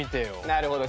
なるほど。